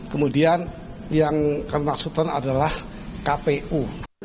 kemudian yang kami maksudkan adalah kpu